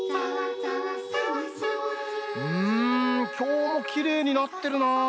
うんきょうもきれいになってるなあ。